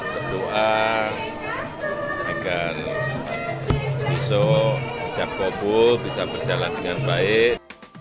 berdoa agar besok jokowi bisa berjalan dengan baik